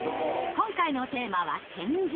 今回のテーマは「点字」。